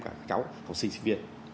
và các cháu học sinh sinh viên